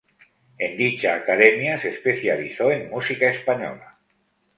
En dicha academia se especializó en música española.